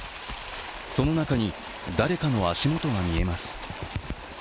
その中に、誰かの足元が見えます。